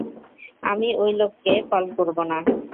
আমি ওই লোককে কল করব না।